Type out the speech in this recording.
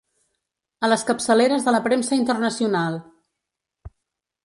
A les capçaleres de la premsa internacional.